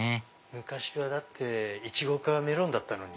昔はイチゴかメロンだったのに。